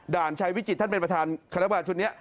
ด่านชัยวิจิตรท่านเป็นประธานคณะกรรมกรรมชุดนี้